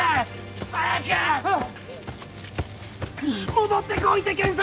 戻ってこいて賢作！